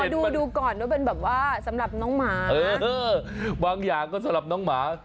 ดูก่อนว่าเป็นแบบว่าสำหรับน้องหมาบางอย่างก็สำหรับน้องหมา